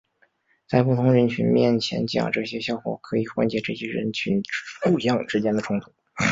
在不同人群面前讲这类笑话可以缓解这些人群互相之间的冲突。